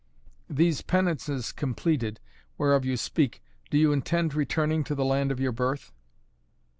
"These penances completed, whereof you speak do you intend returning to the land of your birth?"